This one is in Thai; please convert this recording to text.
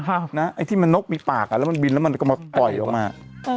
ไอ้ที่มันนกมีปากอ่ะแล้วมันบินแล้วมันก็มาปล่อยออกมา